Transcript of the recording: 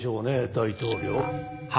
大統領。